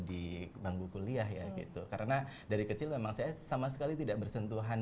di bangku kuliah ya gitu karena dari kecil memang saya sama sekali tidak bersentuhan